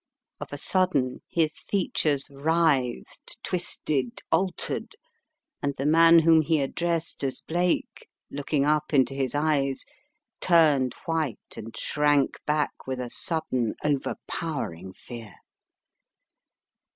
Of a sudden his features writhed, twisted, altered, and the man whom he addressed as Blake, looking up into his eyes, turned white and shrank back with a sudden, overpowering fear.